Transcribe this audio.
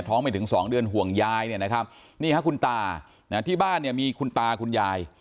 ไม่ถึง๒เดือนห่วงยายเนี่ยนะครับนี่ฮะคุณตาที่บ้านเนี่ยมีคุณตาคุณยาย